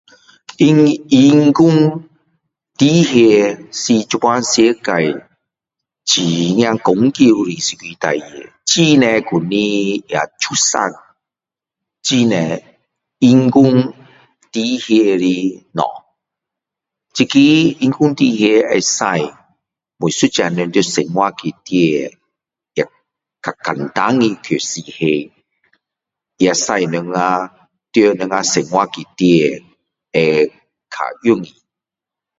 人工智慧是现在世界很讲究的一个事情很多公司也出产很多人工智慧的东西这个人工智慧可使每一人在生活里面也较简单的去实行也使我们在我们生活里面会较容易